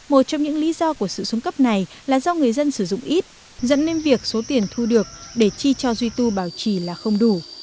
một trong những lý do của sự xuống cấp này là do người dân sử dụng ít dẫn đến việc số tiền thu được để chi cho duy tu bảo trì là không đủ